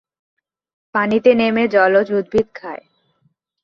পানিতে নেমে জলজ উদ্ভিদ খায়।